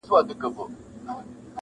o د خپل کور پير چاته نه معلومېږي.